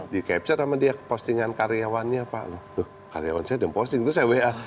di capture sama dia postingan karyawannya pak karyawan saya udah posting itu saya wa